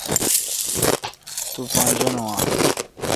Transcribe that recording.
تو پان جانون اں؟